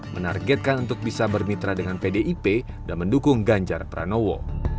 menargetkan untuk bisa bermitra dengan pdip dan mendukung ganjar pranowo